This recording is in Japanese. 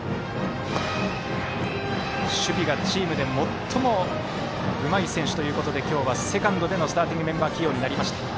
守備がチームで最もうまい選手ということで今日はセカンドでのスターティングメンバー起用となりました。